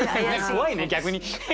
怖いね逆に。